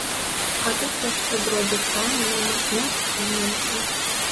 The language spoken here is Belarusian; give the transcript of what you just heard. А тут яшчэ бродзяць раненыя, нашы і немцы.